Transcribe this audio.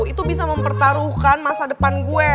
itu bisa mempertaruhkan masa depan gue